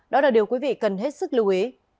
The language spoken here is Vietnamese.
đó là điều quý vị cần hết sức lưu ý